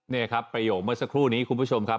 นี่ครับประโยคเมื่อสักครู่นี้คุณผู้ชมครับ